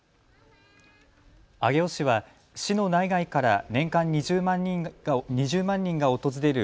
上尾市は市の内外から年間２０万人が訪れる